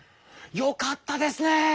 よかったですね！